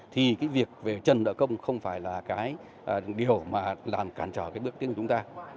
thì cái việc về trần nợ công không phải là cái điều mà làm cản trở cái bước tiến của chúng ta